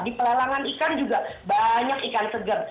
di pelelangan ikan juga banyak ikan segar